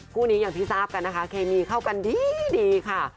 คู่นี้อย่างที่ทราบกันนะคะเคมีเข้ากันดีค่ะ